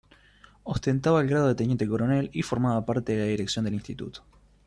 Ostentaba el grado de teniente coronel y formaba parte de la dirección del Instituto.